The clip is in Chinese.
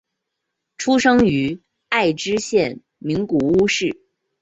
出生于爱知县名古屋市。